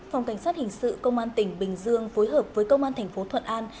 phòng cảnh sát hình sự công an tỉnh bình dương phối hợp với công an thành phố thuận an